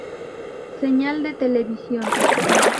Señal de televisión.